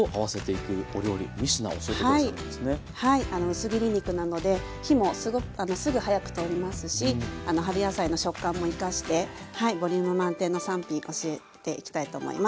薄切り肉なので火もすぐ早く通りますし春野菜の食感も生かしてボリューム満点の３品教えていきたいと思います。